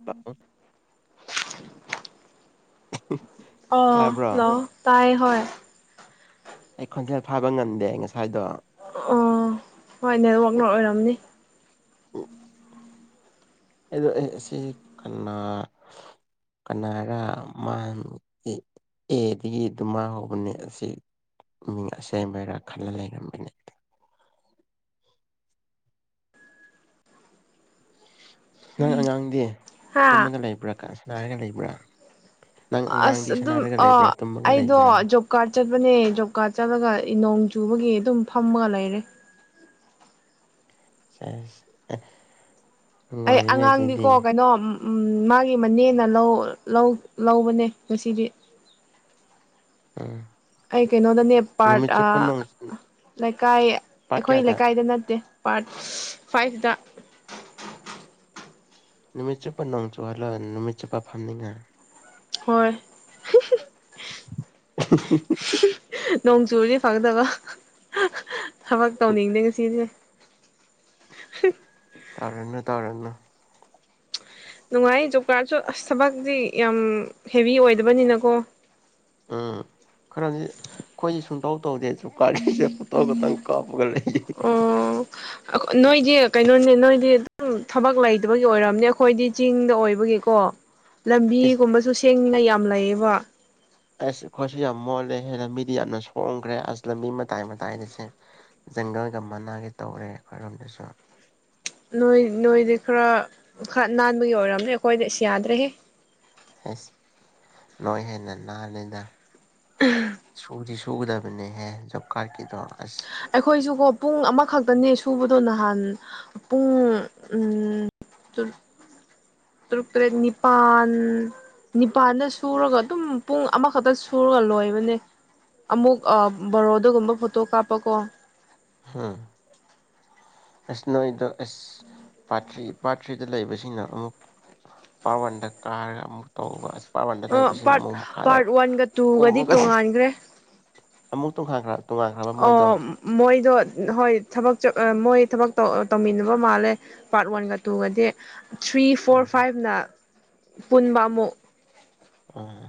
ꯎꯝ ꯑ ꯇꯥꯕ꯭ꯔꯣ ꯂꫭ ꯇꯥꯏ ꯍꫭꯏ ꯑꯩ ꯈꯣꯟꯖꯦꯜ ꯐꯥꯕ ꯉꯝꯗꯦ ꯉꯁꯥꯏꯗꯣ ꯑꯣ ꯍꯣꯏ ꯅꯦꯠꯋꯥꯛꯅ ꯑꯣꯏꯔꯝꯅꯤ ꯎ ꯑꯗꯣ ꯑꯦ ꯑꯁꯤ ꯀꯅꯥ ꯀꯅꯥꯔꯥ ꯃꯥ ꯑꯦꯗꯒꯤ ꯑꯗꯨ ꯃꯥꯡ ꯍꯧꯕꯅꯦ ꯑꯁꯤ ꯎꯝ ꯑꯁꯦꯡꯕꯩꯔꯥ ꯈꯜꯂ ꯂꯩꯔꯝꯕꯅꯦ ꯅꯪ ꯑꯉꯥꯡꯗꯤ ꯍꯥ ꯇꯨꯝꯃꯒ ꯂꯩꯕ꯭ꯔꯥ ꯃꯥꯏꯅ ꯂꯩꯕ꯭ꯔꯥ ꯅꯪ ꯑꯁ ꯑꯉꯥꯡꯗꯤ ꯑꯗꯨꯝ ꯁꯥꯟꯅꯔꯒ ꯂꯩꯕ꯭ꯔꯥ ꯑꯥ ꯇꯨꯝꯃꯒ ꯑꯩꯗꯣ ꯂꯩꯕ꯭ꯔꯥ ꯖꯣꯕ ꯀꯥꯔꯗ ꯆꯠꯄꯅꯦ ꯖꯣꯕ ꯀꯥꯔꯗ ꯆꯠꯂꯒ ꯏ ꯅꯣꯡ ꯆꯨꯕꯒꯤ ꯑꯗꯨꯝ ꯐꯝꯃꯒ ꯂꯩꯔꯦ ꯑꯁ ꯑꯦ ꯑꯩ ꯅꯨꯡꯉꯥꯏꯔꯤꯅꯦ ꯑꯗꯨꯗꯤ ꯑꯉꯥꯡꯗꯤꯀꯣ ꯀꯩꯅꯣ ꯎꯝ ꯃꯥꯒꯤ ꯃꯅꯦꯅ ꯂꯧ ꯂꯧ ꯂꯧꯕꯅꯦ ꯉꯁꯤꯗꯤ ꯎꯝ ꯑꯩ ꯀꯩꯅꯣꯗꯅꯦ ꯄꯥꯔꯠ ꯅꯨꯃꯤꯠ ꯆꯨꯞꯄ ꯅꯣꯡ ꯂꯩꯀꯥꯏ ꯄꯥꯠ ꯑꯩꯈꯣꯏ ꯀꯌꯥꯗ ꯂꯩꯀꯥꯏꯗ ꯅꯠꯇꯦ ꯄꯥꯔꯠ ꯐꯥꯏꯚꯗ ꯅꯨꯃꯤꯠ ꯆꯨꯞꯄ ꯅꯣꯡ ꯆꯨꯍꯜꯂ ꯅꯨꯃꯤꯠ ꯆꯨꯞꯄ ꯐꯝꯅꯤꯡꯉ [inaudible] ꯅꯣꯡ ꯆꯨꯔꯗꯤ ꯐꯒꯗꯕ [inaudible] ꯊꯕꯛ ꯇꯧꯅꯤꯡꯗꯦ ꯉꯁꯤꯁꯦ [inaudible] ꯇꯥꯔꯅꯨ ꯇꯥꯔꯅꯨ ꯅꯨꯡꯉꯥꯏ ꯖꯣꯕ ꯀꯥꯔꯠꯁꯨ ꯑꯁ ꯊꯕꯛꯇꯤ ꯌꯥꯝ ꯍꯦꯚꯤ ꯑꯣꯏꯗꯕꯅꯤꯅꯀꯣ ꯎꯝ ꯈꯔꯗꯤ ꯑꯩꯈꯣꯏꯗꯤ ꯁꯨꯡꯇꯧ ꯇꯧꯗꯦ ꯖꫭꯕ ꯀꯥꯔꯗ ꯀꯤꯁꯦ ꯐꫭꯇꫭ ꯈꯛꯇꯪ ꯀꯥꯞꯄꯒ ꯂꯩꯌꯦ ꯑꯣ ꯅꯣꯏꯗꯤ ꯀꯩꯅꯣꯅꯦ ꯅꯣꯏꯗꯤ ꯑꯗꯨꯝ ꯊꯕꯛ ꯂꯩꯇꯕꯒꯤ ꯑꯣꯏꯔꯝꯅꯦ ꯑꯩꯈꯣꯏꯗꯤ ꯆꯤꯡꯗ ꯑꯣꯏꯕꯒꯤꯀꯣ ꯏꯁ ꯂꯝꯕꯤꯒꯨꯝꯕꯁꯨ ꯁꯦꯡꯉꯤ ꯑꯩꯅ ꯌꯥꯝ ꯂꯩꯌꯦꯕ ꯑꯁ ꯑꯩꯈꯣꯏꯁꯨ ꯌꯥꯝ ꯃꯣꯜꯂꯦ ꯍꯦ ꯂꯝꯕꯤꯗꯤ ꯌꯥꯝꯅ ꯁꯣꯡꯈ꯭ꯔꯦ ꯑꯁ ꯂꯝꯕꯤ ꯃꯇꯥꯏ ꯃꯇꯥꯏꯗꯁꯦ ꯖꯪꯒꯜꯒ ꯃꯅꯥꯒꯤ ꯇꯧꯔꯦ ꯑꯩꯈꯣꯏꯔꯣꯝꯗꯁꯨ ꯅꯣꯏ ꯅꯣꯏꯗꯤ ꯈꯔ ꯈꯔ ꯅꯥꯟꯕꯒꯤ ꯑꯣꯏꯔꯝꯅꯦ ꯑꯩꯈꯣꯏꯗ ꯁꯤ ꯌꯥꯗ꯭ꯔꯦꯍꯦ ꯑꯦꯁ ꯅ ꯍꯦꯟꯅ ꯅꯅꯥꯍꯥꯟꯂꯦꯗ ꯁꯨꯗꯤ ꯁꯨꯒꯗꯕꯅꯦꯍꯦ ꯖꯣꯕ ꯀꯥꯔꯠꯀꯤꯗꯣ ꯑꯁ ꯑꯩꯈꯣꯏꯁꯨ ꯍꯣ ꯄꯨꯡ ꯑꯃ ꯈꯛꯇꯅꯦ ꯁꯨꯕꯗꯣ ꯅꯍꯥꯟ ꯄꯨꯡ ꯇꯔꯨꯛ ꯇꯔꯦꯠ ꯅꯤꯄꯥꯜ ꯅꯤꯄꯥꯜꯗ ꯁꯨꯔꯒ ꯑꯗꯨꯝ ꯄꯨꯡ ꯑꯃꯈꯛꯇ ꯁꯨꯔꯒ ꯂꯣꯏꯕꯅꯦ ꯑꯃꯨꯛ ꯕꯔꯣꯗꯒꯨꯝꯕ ꯐꯣꯇꯣ ꯀꯥꯞꯄꯀꯣ ꯍꯥꯝ ꯑꯦꯁ ꯅꯣꯏꯗꯣ ꯑꯦ ꯄꯥꯔ꯭ꯔꯤ ꯄꯥꯔꯠ ꯊ꯭ꯔꯤꯗ ꯂꯩꯕꯁꯤꯡꯅ ꯑꯃꯨꯛ ꯄꯥꯔꯠ ꯋꯥꯟꯗ ꯀꯥꯔꯒ ꯑꯃꯨꯛ ꯇꯧꯕ ꯄꯥꯔꯠ ꯋꯥꯟꯗ ꯑꯣ ꯂꯩꯕꯁꯤꯅ ꯄꯥꯔꯠ ꯑꯃꯨꯛ ꯃꯈꯥꯗ ꯄꯥꯔꯠ ꯋꯥꯟꯒ ꯇꯨꯒꯗꯤ ꯀꯨꯝꯃꯒ ꯇꯣꯉꯥꯟꯈ꯭ꯔꯦ ꯑꯃꯨꯛ ꯇꯣꯡꯈꯥꯟꯈ꯭ꯔ ꯇꯣꯉꯥꯟꯈ꯭ꯔꯕ ꯃꯣꯏꯗꯣ ꯑꯣ ꯃꯣꯏꯗꯣ ꯍꯣꯏ ꯊꯕꯛ ꯃꯣꯏ ꯊꯕꯛ ꯇꯧꯃꯤꯟꯅꯕ ꯃꯥꯜꯂꯦ ꯄꯥꯔꯠ ꯋꯥꯟꯒ ꯇꯨꯒꯗꯤ ꯊ꯭ꯔꯤ ꯐꯣꯔ ꯎꯝ ꯐꯥꯏꯚꯅ ꯄꯨꯟꯕꯥꯃꯨ ꯑꯥ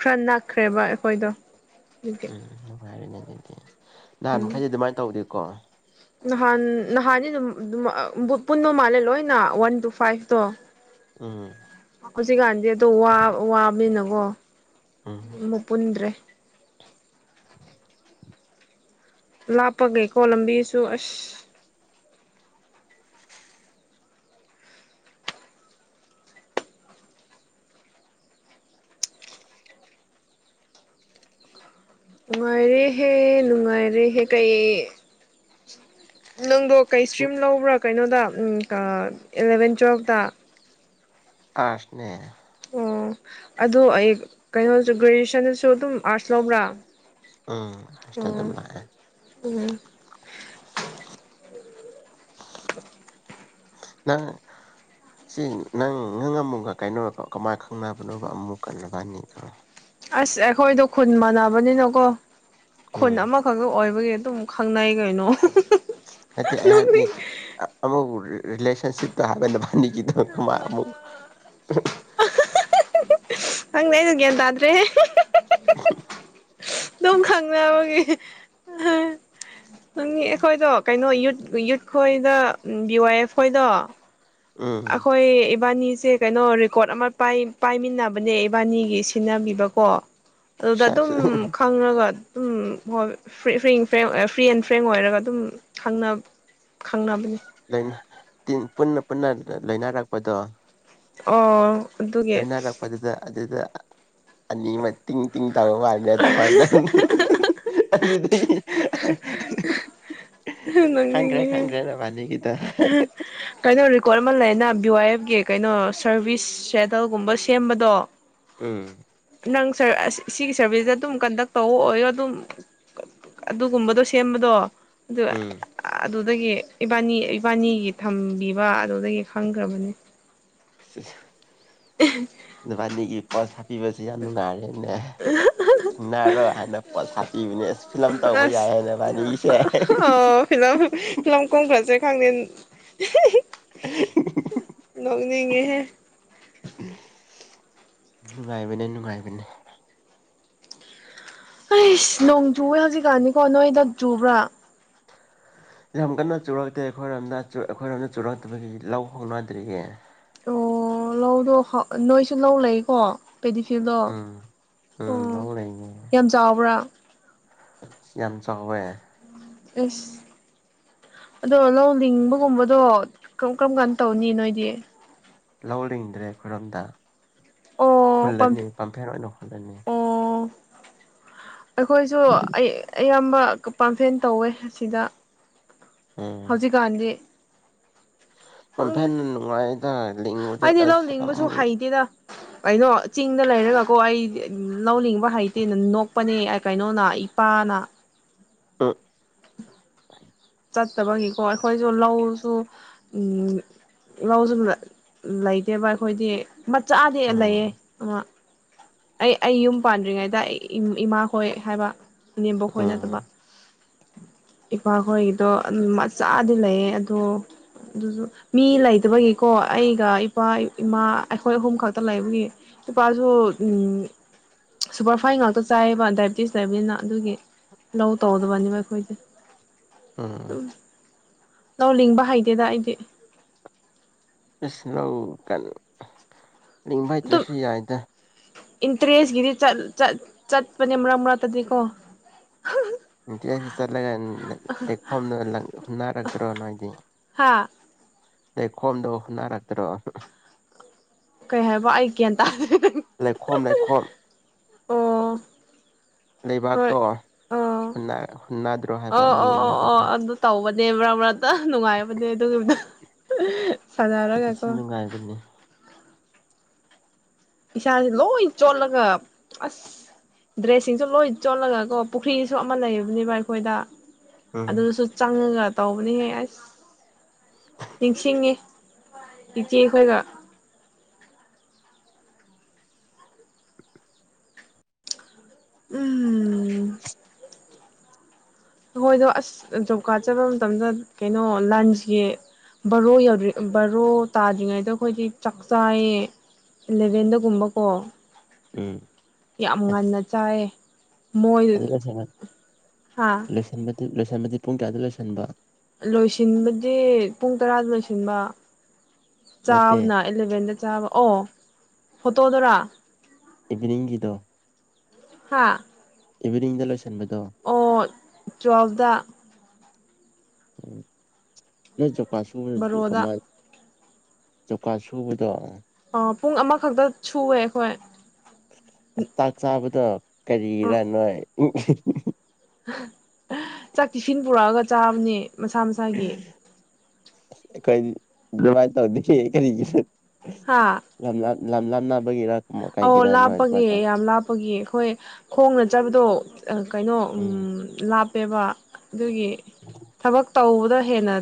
ꯈꯔ ꯅꯛꯈ꯭ꯔꯦꯕ ꯑꯩꯈꯣꯏꯗꯣ ꯑꯗꯨꯒꯤ ꯎꯝ ꯔꯅꯦꯦ ꯅꯍꯥꯟ ꯎꯝ ꯃꯈꯩꯗꯤ ꯑꯗꯨꯃꯥꯏꯅ ꯇꯧꯗꯦ ꯀꯣ ꯅꯍꯥꯟ ꯅꯍꯥꯟꯅꯤ ꯑꯗꯨꯝ ꯄꯨꯟꯕ ꯃꯥꯜꯂꯦ ꯂꯣꯏꯅ ꯋꯥꯟ ꯇꯨ ꯐꯥꯏꯚꯇꯣ ꯑ ꯍꯧ ꯁꯤꯀꯥꯟꯗ ꯋꯥꯕꯅꯤꯅꯀꯣ ꯎꯝ ꯑꯃꯨꯛ ꯄꯨꯟꯗ꯭ꯔꯦ ꯂꯥꯞꯄꯒꯦ ꯀꯣꯂꯝꯕꯤꯁꯨ ꯑꯁ ꯅꯨꯡꯉꯥꯏꯔꯦꯍꯦ ꯅꯨꯡꯉꯥꯏꯔꯦꯍꯦ ꯀꯩ ꯅꯪꯣꯛ ꯀꯩ ꯏꯁ꯭ꯇ꯭ꯔꯤꯝ ꯂꯧꯕ꯭ꯔꯥ ꯀꯩꯅꯣꯗ ꯏ ꯑꯦꯂꯚꯦꯟ ꯇꯨꯌꯦꯦꯜꯞꯇ ꯑꯁꯅꯦ ꯑꯣ ꯑꯗꯨꯗꯣ ꯑꯩ ꯀꯩꯅꯣꯁꯨ ꯒ꯭ꯔꯦꯖꯨꯑꯦꯁꯟꯗꯁꯨ ꯑꯗꯨꯝ ꯑꯥꯔꯠꯁ ꯂꯧꯕ꯭ꯔꯥ ꯎꯝ ꯍꯥꯁꯇꯗ ꯎꯝ ꯂꯦ ꯎꯝ [unintelligible] ꯅꯪ ꯁꯤ ꯅꯪ ꯅꯪ ꯑꯃꯨꯛꯒ ꯀꯩꯅꯣꯣ ꯀꯃꯥꯏ ꯈꯪꯅꯕꯅꯣꯕ ꯑꯃꯨꯛ ꯀꯜꯂꯕꯥꯅꯤꯗꯔꯣ ꯑꯁ ꯑꯩꯈꯣꯏꯗꯣ ꯈꯨꯟ ꯃꯥꯟꯅꯕꯅꯤꯅꯀꯣ ꯈꯨꯟ ꯎꯝ ꯑꯃꯈꯛꯇ ꯑꯣꯏꯕꯒꯤ ꯑꯗꯨꯝ ꯈꯪꯅ ꯀꯥꯏꯅꯣ ꯅꯠꯇꯦ ꯑꯩ ꯍꯥꯏꯕꯗꯤ ꯑꯃ ꯔꯔꯤꯂꯦꯁꯟꯁꯤꯞꯇ ꯍꯥꯏꯕꯅ ꯐꯅꯤꯒꯤꯗ ꯀ ꯃꯥ ꯑꯃꯨ ꯍꯪꯅꯦ ꯂꯩꯗꯨꯒ ꯌꯦꯟꯗꯗ꯭ꯔꯦ ꯑꯗꯨꯝ ꯈꯪꯅꯕꯒꯤ ꯅ ꯑꯩꯈꯣꯏꯗꯣ ꯀꯩꯅꯣ ꯌꯨꯠ ꯈꯣꯏꯗ ꯕꯤ ꯋꯥꯥꯏ ꯑꯦꯐ ꯈꯣꯏꯗꯣ ꯎꯝ ꯑꯩꯈꯣꯏ ꯏꯕꯥꯅꯤ ꯁꯦ ꯀꯩꯅꯣ ꯔꯦꯀꯣꯔꯠ ꯑꯃ ꯄꯥꯏꯃꯤꯟꯅꯕꯅꯦ ꯏꯕꯥꯅꯤꯒꯤ ꯁꯤꯟꯅꯕꯤꯕꯀꯣ ꯑꯗꯨꯗ ꯑꯗꯨꯝ ꯁꯦꯁ ꯈꯪꯉꯒ ꯑꯗꯨꯝ ꯍꯣꯏ ꯐꯔꯤ ꯐ ꯐ꯭ꯔꯤ ꯑꯦꯟ ꯐ꯭ꯔꯦꯡ ꯑꯣꯏꯔꯒ ꯑꯗꯨꯝ ꯈꯪꯅꯕꯅꯤ ꯄꯨꯟꯅ ꯄꯨꯟꯅ ꯂꯩꯅꯔꯛꯄꯗꯣ ꯑꯣ ꯑꯗꯨꯒꯤ ꯇꯅꯔꯛꯄ ꯑꯗꯨꯗ ꯑꯗꯨꯗꯗ ꯑꯅꯤ ꯃ ꯇꯤꯡ ꯇꯤꯡ ꯇ ꯃꯥꯅ ꯐꯥꯏꯗ ꯑꯗꯨꯗꯒꯤ ꯅꯪꯉ ꯀꯩꯅꯣ ꯔꯤꯀꯣꯔꯠ ꯑꯃ ꯂꯩꯅ ꯕꯤꯨꯋꯥꯏ ꯒꯤ ꯀꯩꯅꯣ ꯁꯔꯚꯤꯁ ꯁꯦꯗꯜꯒꯨꯝꯕ ꯁꯦꯝꯕꯗꯣ ꯎꯝ ꯅꯪꯔ ꯑꯁ ꯁꯤꯒꯤ ꯁꯥꯔꯚꯤꯁꯇ ꯑꯗꯨꯝ ꯀꯟꯗꯛ ꯇꯧꯕ ꯑꯣꯏꯔꯣ ꯑꯗꯨꯝ ꯑꯗꯨꯒꯨꯝꯕꯗꯣ ꯁꯦꯝꯕꯗꯣ ꯑꯗꯨ ꯎꯝ ꯑꯗꯨ ꯑꯗꯒꯤ ꯏꯕꯥꯅꯤ ꯏꯕꯥꯅꯤꯒꯤ ꯊꯝꯕꯤꯕ ꯑꯗꯨꯗꯒꯤ ꯈꯪꯈ꯭ꯔꯕꯅꯦ ꯁꯤ ꯕꯥꯅꯤꯒꯤ ꯄꯣꯁ ꯄꯤꯕꯁ ꯌꯥꯝ ꯅꯨꯡꯉꯥꯏꯔꯦ ꯟꯅꯔꯣ ꯍꯥꯏꯅ ꯄꯣꯁꯥ ꯏꯕꯅꯦꯅꯤꯁ ꯑꯁ ꯑꯣ ꯐꯤꯂ ꯐꯤ ꯂ ꯀꯣꯡ ꯐ꯭ꯔꯖꯦ ꯈꯪꯗ [unintelligible] ꯂꯅꯤꯡꯒꯦꯍꯦ ꯅꯨꯡꯉꯥꯏꯕꯅꯦ ꯅꯨꯡꯉꯥꯏꯕꯅꯦ ꯑꯩꯁ ꯅꯣꯡꯖꯨꯋꯦ ꯍꯧꯖꯤꯛꯀꯥꯟꯅꯤꯀꯣ ꯅꯣꯏꯗꯛ ꯆꯨꯕ꯭ꯔꯥ ꯌꯥꯝ ꯀꯟꯅ ꯆꯨꯔꯛꯇꯦ ꯑꯩꯈꯣꯏꯔꯣꯝꯗ ꯑꯩꯈꯣꯏꯔꯣꯝꯗ ꯆꯨꯔꯛꯇꯕꯒꯤ ꯂꯧ ꯍꯧꯣꯡꯅꯗ꯭ꯔꯤꯌꯦ ꯑꯣ ꯂꯧꯗꯣ ꯅꯣꯏꯁꯨ ꯂꯧ ꯂꯩꯀꯣ ꯄꯦꯗꯤꯐꯤꯜꯗꯣ ꯑꯣ ꯎꯝ ꯎꯝ ꯂꯧ ꯂꯩꯌꯦ ꯌꯥꯝ ꯆꯥꯎꯕ꯭ꯔꯥ ꯌꯥꯝ ꯆ ꯍꯕ ꯑꯁ ꯑꯗꯣ ꯂꯧ ꯂꯤꯡꯕꯒꯨꯝꯕꯗꯣ ꯀꯔꯝ ꯀꯔꯝ ꯀꯥꯟ ꯇꯧꯅꯤ ꯅꯣꯏꯗꯤ ꯂꯧꯅꯤꯡꯤꯡꯗ꯭ꯔꯦ ꯈꯨꯣꯏꯔꯝꯗ ꯑꯣ ꯄꯝ ꯍꯨꯜꯂꯅꯤ ꯄꯝꯐꯔ ꯑꯣꯏꯅ ꯍꯨꯜꯂꯅꯤ ꯑꯣ ꯑꯩꯈꯣꯏꯁꯨ ꯑꯩ ꯑꯌꯥꯝꯕ ꯄꯥꯝꯐꯦꯟ ꯇꯧꯋꯦ ꯑꯁꯤꯗ ꯍꯧꯖꯤꯛꯀꯥꯟꯗꯤ ꯈꯪꯗꯦ ꯐꯦꯟ ꯅꯨꯡꯉꯥꯏꯗꯗ ꯑꯩꯗꯤ ꯂꯧ ꯑꯁ ꯂꯤꯡꯕꯁꯨ ꯍꯩꯇꯦꯗ ꯀꯩꯅꯣ ꯆꯤꯡꯗ ꯂꯩꯔꯒꯀꯣ ꯑꯩ ꯂꯧꯅꯤꯡꯕ ꯍꯩꯇꯦ ꯅ ꯅꯣꯛꯄꯅꯦ ꯀꯩꯅꯣꯅ ꯏꯄꯥꯅ ꯎꯝ ꯆꯠꯇꯕꯒꯤꯀꯣ ꯑꯩꯈꯣꯏꯁꯨ ꯂꯧꯁꯨ ꯂꯧꯁꯨ ꯂꯩꯇꯦꯕ ꯑꯩꯈꯣꯏꯗꯤ ꯃꯆꯥꯥꯗꯦ ꯎꯝ ꯑꯂꯌꯦꯦ ꯑ ꯑꯩ ꯑꯩ ꯌꯨꯝ ꯄꯥꯟꯗ꯭ꯔꯤꯉꯩꯗ ꯑꯩ ꯏꯃꯥ ꯍꯣꯏ ꯍꯥꯏꯕ ꯅꯦꯝꯕꯣꯛ ꯈꯣꯏ ꯎꯝ ꯅꯠꯇꯕ ꯏꯄꯥꯈꯣꯏꯒꯤꯗꯣ ꯑꯗꯨꯝ ꯃꯆꯥꯗꯤ ꯂꯩꯌꯦ ꯑꯗꯣ ꯑꯗꯨꯁꯨ ꯃꯤ ꯂꯩꯇꯕꯒꯤꯀꯣ ꯑꯩꯒ ꯏꯄꯥ ꯏꯃꯥ ꯑꯩꯈꯣꯏ ꯑꯍꯨꯝ ꯈꯛꯇ ꯂꯩꯕꯒꯤ ꯏꯄꯥꯁꯨ ꯁꯨꯄꯔꯐꯥꯏꯟ ꯉꯥꯛꯇ ꯆꯥꯏꯌꯦꯕ ꯗꯥꯏꯕꯤꯦꯇꯤꯁ ꯂꯩꯕꯅꯤꯅ ꯑꯗꯨꯒꯤ ꯂꯧ ꯇꯧꯗꯕꯅꯦꯕ ꯑꯩꯈꯣꯏꯗꯤ ꯎꯝ ꯑꯗꯨꯝ ꯂꯧ ꯂꯤꯡꯕ ꯍꯩꯗꯦꯗ ꯑꯩꯗꯤ ꯏꯁꯅꯧ ꯀꯅꯤ ꯅꯤꯡꯕ ꯑꯗꯨꯝ ꯍꯩꯇ꯭ꯔꯁꯨ ꯌꯥꯏꯗ ꯏꯟꯇꯔꯦꯁꯀꯤꯗꯤ ꯆꯠꯄꯅꯦ ꯃꯔꯛ ꯃꯔꯛꯇꯗꯤꯀꯣ ꯅꯨꯡꯇꯤ ꯑꯁꯤ ꯆꯠꯂꯒ ꯂꯩꯈꯣꯝꯗꯨ ꯍꯨꯟꯅꯔꯛꯇ꯭ꯔꯣ ꯅꯣꯏꯗꯤ ꯍꯥ ꯂꯩꯈꯣꯝꯗꯣ ꯅꯥꯔꯛꯇ꯭ꯔꯣ ꯀꯩ ꯍꯥꯏꯕ ꯑꯩ ꯒ꯭ꯌꯥꯟ ꯇꯥꯗꯦ ꯂꯩꯈꯣꯝ ꯂꯩꯈꯣꯝ ꯑꯣ ꯍꯣꯏ ꯂꯩꯕꯥꯛꯇꯣ ꯑꯣ ꯍꯨꯟꯅꯗ꯭ꯔꯣ ꯍꯥꯏꯕ ꯃꯤ ꯑꯃꯗꯨꯅ ꯗꯦꯕ꯭ꯔꯥꯕ ꯅꯨꯡꯉꯥꯏꯕꯅꯦ ꯑꯗꯨꯒꯤ ꯎ ꯑꯗꯨ ꯁꯤ ꯅꯨꯡꯉꯥꯏꯕꯅꯤ ꯏꯁꯥꯁꯦ ꯂꯣꯏ ꯆꯣꯠꯂꯒ ꯑꯁ ꯗ꯭ꯔꯦꯁꯁꯤꯡꯁꯨ ꯂꯣꯏ ꯆꯣꯠꯂꯒ ꯀꯣ ꯄꯨꯈ꯭ꯔꯤꯁꯨ ꯑꯃ ꯂꯩꯕꯅꯦꯕ ꯑꯩꯈꯣꯏꯗ ꯎꯝ ꯑꯗꯨꯁꯨ ꯆꯡꯉꯒ ꯇꯧꯕꯅꯤꯍꯦ ꯑꯁ ꯅꯤꯡꯁꯤꯡꯉꯤ ꯏꯆꯦꯍꯣꯏꯒ ꯎꯝ [unintelligible] ꯍꯣꯏꯗꯣ ꯑꯁ ꯖꯣꯕ ꯀꯥꯔꯗ ꯆꯠꯄ ꯃꯇꯝꯗ ꯀꯩꯅꯣ ꯂꯟꯁꯒꯤ ꯕꯔꯣ ꯌꯧꯗ꯭ꯔꯤ ꯕꯔꯣ ꯇꯥꯗ꯭ꯔꯤꯉꯩꯗ ꯑꯈꯣꯏꯗꯤ ꯆꯥꯛ ꯆꯥꯏꯌꯦ ꯏꯂꯚꯦꯟꯗꯒꯨꯝꯕꯀꯣ ꯎꯝ ꯌꯥꯝ ꯉꯟꯅ ꯆꯥꯏꯌꯦ ꯃꯣꯏ ꯑꯗꯨꯗ ꯊꯦꯡꯅ ꯍꯥ ꯂꯣꯏꯁꯟꯕꯗꯨ ꯂꯣꯏꯁꯟꯗꯤ ꯄꯨꯡ ꯀꯌꯥꯗ ꯂꯣꯏꯁꯟꯕ ꯂꯣꯏꯁꯤꯟꯕꯗꯤ ꯄꯨꯡ ꯇꯔꯥꯗ ꯂꯣꯏꯁꯤꯟꯕ ꯅꯠꯇꯦ ꯆꯥꯕꯅ ꯏꯂꯕꯦꯟꯗ ꯆꯥꯕ ꯑꯣ ꯐꯣꯇꯣꯗꯔꯥ ꯏꯚꯤꯅꯤꯡꯅꯤꯡꯒꯤꯗꯤ ꯍꯥꯥ ꯏꯚꯤꯅꯤꯡꯗ ꯂꯣꯏꯁ ꯑꯣ ꯇꯨꯋꯦꯐꯗ ꯎ ꯅꯣꯏ ꯖꯞ ꯋꯥꯁꯨꯔ ꯕꯥꯔꯣꯗ ꯀꯃꯥꯏ ꯖꯧꯀꯥ ꯁꯨꯕꯗꯣ ꯑꯣ ꯄꯨꯡ ꯑꯃꯈꯛꯇ ꯁꯨꯋꯦ ꯑꯈꯣꯏ ꯇꯥꯛ ꯆꯥꯕꯠ ꯗ ꯀꯔꯤꯔꯥꯅꯣꯏ ꯑꯝ ꯍꯤ ꯎꯝ ꯍꯝ ꯑꯍ ꯆꯥꯛ ꯇꯤꯁꯤꯡ ꯄꯨꯔꯛꯑꯒ ꯆꯥꯕꯅꯤ ꯃꯁꯥ ꯃꯁꯥꯒꯤ ꯗꯨꯕꯥꯥꯏꯟ ꯇꯧꯔꯗꯤ ꯀꯦ ꯀꯔꯤꯒꯤ ꯍꯥ ꯌꯥꯝ ꯂꯥꯞ ꯂꯝ ꯂꯥꯞꯅꯕꯒꯤꯔꯛ ꯑꯧ ꯂꯥꯞꯄꯒꯦ ꯌꯥꯝ ꯂꯥꯞꯄꯒꯤ ꯑꯈꯣꯏ ꯈꯣꯡꯅ ꯆꯕꯗꯣ ꯑ ꯀꯩꯅꯣ ꯎꯝ ꯂꯥꯞ ꯄꯦꯕꯥꯥ ꯗꯨꯒꯤ ꯊꯕꯛ ꯇꯧꯕ ꯍꯦꯟꯅ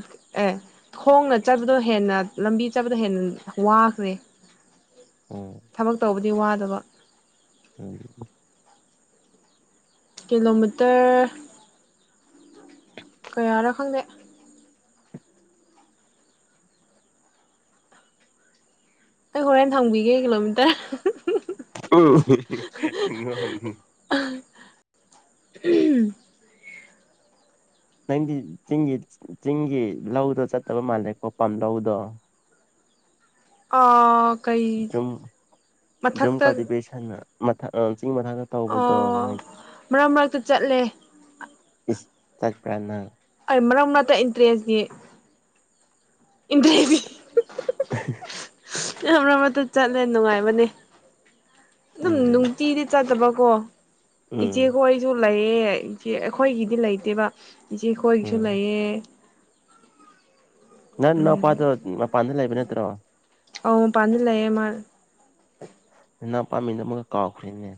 ꯑꯦ ꯊꯣꯡꯅ ꯆꯠꯄꯗꯣ ꯍꯦꯟꯅ ꯂꯝꯕꯤ ꯆꯠꯄꯗ ꯍꯦꯟ ꯋꯥꯈ꯭ꯔꯦ ꯎꯝ ꯄꯨꯗꯤ ꯋꯥꯗꯕ ꯎꯝ ꯀꯦꯂꯣꯃꯇꯔ ꯀꯌꯥꯔꯥ ꯈꯪꯗꯦ ꯑꯩ ꯍꯣꯔꯦꯟ ꯊꯥꯡꯕꯤꯒꯦ ꯀꯤꯂꯣꯃꯤꯇꯔ ꯑꯣꯉ ꯎꯝ ꯅꯪꯗꯤ ꯆꯤꯡꯒꯤ ꯆꯤꯡꯒꯤ ꯂꯧꯗꯣ ꯆꯠꯇꯕ ꯃꯥꯜꯂꯦꯀꯣ ꯄꯥꯝ ꯂꯧꯗꯣ ꯑ ꯨꯝ ꯨꯝꯀꯗꯤꯕꯩꯁꯅ ꯃꯊ ꯑ ꯑꯣ ꯃꯔꯛ ꯃꯔꯛꯇ ꯆꯠꯂꯦ ꯏꯁ ꯆꯠꯄꯔꯅ ꯑꯩ ꯃꯔꯛ ꯃꯔꯅꯥꯛꯇ ꯏꯟꯇꯔꯦꯁꯅꯤ ꯏ ꯌꯥꯝꯔ ꯃꯠꯇ ꯆꯠꯂꯦ ꯅꯨꯡꯉꯥꯏꯕꯅꯦ ꯑꯗꯨꯝ ꯎꯝ ꯅꯨꯡꯇꯤꯗꯤ ꯆꯥꯗꯕ ꯀꯣ ꯏꯆꯦ ꯎꯝ ꯈꯋꯥꯁꯨꯂꯥꯏꯌꯦ ꯑꯩꯈꯣꯏꯒꯤꯗꯤ ꯂꯩꯇꯦꯕ ꯏꯆꯦ ꯀꯣꯏꯒꯤꯁꯨ ꯎꯝ ꯂꯩꯌꯦꯦ ꯅ ꯅ ꯄꯥ ꯄꯥꯟꯅ ꯂꯩꯕ ꯆꯠꯇ꯭ꯔꯣ ꯑ ꯄꯟꯂ ꯑꯦꯃ ꯅ ꯄꯥꯝꯃꯤꯅ ꯑꯃꯒ ꯀꯥꯎꯈ꯭ꯔꯦꯅꯦ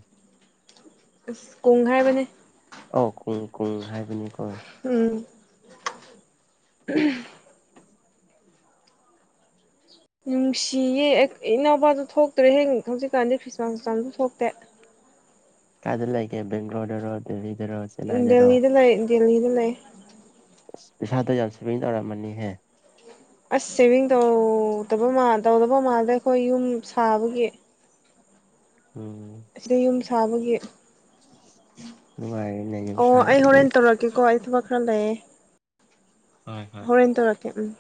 ꯀꯣꯣꯡꯘꯥꯏ ꯃꯅꯦ ꯑꯣ ꯀꯨꯡ ꯀꯨꯡ ꯍꯥꯏꯕꯅꯤ ꯎꯝ [unintelligible] ꯅꯨꯡꯁꯤꯌꯦ ꯏꯅꯥꯎꯄꯥꯗꯨ ꯊꯣꯛꯇ꯭ꯔꯦ ꯍꯌꯦ ꯍꯧꯖꯤꯛꯀꯥꯟꯗꯤ ꯈ꯭ꯔꯤꯁꯃꯥꯁ ꯆꯝꯁꯨ ꯊꯣꯛꯇꯦ ꯀꯗꯂꯀꯦ ꯦꯡ꯭ꯂꯣꯔꯔ ꯗꯜꯂꯤꯗꯨ ꯂ ꯗ [unintelligible] ꯑ ꯄꯩꯁꯥꯗꯣ ꯌꯥꯝ ꯁꯦꯚꯤꯡ ꯇꯧꯔꯝꯃꯅꯤꯍꯦ ꯑꯁ ꯁꯦꯚꯤꯡ ꯇꯧꯗꯕ ꯃꯥꯜ ꯇꯧꯗꯕ ꯃꯥꯜꯗꯦ ꯑꯩꯈꯣꯏ ꯌꯨꯝ ꯁꯥꯕꯒꯤ ꯎꯝ ꯑꯁꯤꯗ ꯌꯨꯝ ꯁꯥꯕꯒꯤ ꯅꯨꯡꯉꯥꯏꯔꯦꯅꯦ ꯌꯨꯝ ꯑꯣ ꯑꯩ ꯁꯥꯔꯗꯤ ꯍꯣꯔꯦꯟ ꯇꯧꯔꯛꯀꯦꯀꯣ ꯑꯩ ꯊꯕꯛ ꯐꯂꯦ ꯍꯣꯏ ꯍꯣꯏ ꯍꯔꯟ ꯇꯔ ꯎꯝ